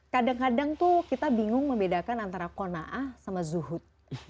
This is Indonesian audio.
kadang kadang tuh kita bingung membedakan antara kona'ah sama zuhud